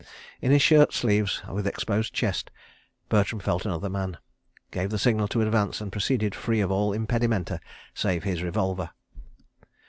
In his shirt sleeves, with exposed chest, Bertram felt another man, gave the signal to advance, and proceeded free of all impedimenta save his revolver.